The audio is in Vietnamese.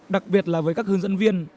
đặc biệt là với các hướng dẫn viên